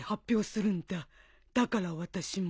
だから私も。